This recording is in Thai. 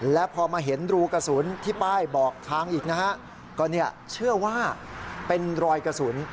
และพอมาเห็นรูกระสุนที่ป้ายบอกทางอีกนะฮะก็เนี่ยเชื่อว่าเป็นรอยกระสุน